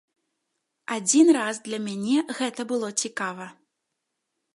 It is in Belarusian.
Адзін раз для мяне гэта было цікава.